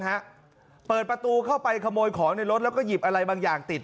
ฮะเปิดประตูเข้าไปขโมยของในรถแล้วก็หยิบอะไรบางอย่างติด